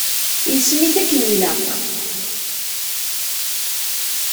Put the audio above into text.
Yessen-it akken i ilaq.